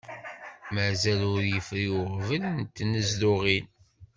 Mazal ur yefri uɣbel n tnezduɣin.